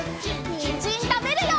にんじんたべるよ！